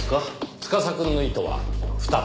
司くんの意図は２つ。